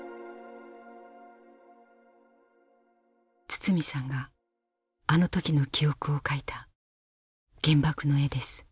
堤さんがあの時の記憶を描いた原爆の絵です。